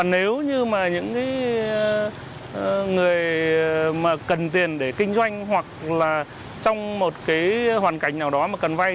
nếu như mà những cái người mà cần tiền để kinh doanh hoặc là trong một cái hoàn cảnh nào đó mà cần vay